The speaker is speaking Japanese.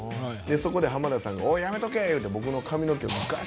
そこで浜田さんが「おいやめとけ」言うて僕の。